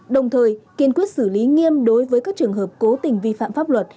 đồng thời kiên quyết xử lý nghiêm đối với các trường hợp cố tình vi phạm pháp luật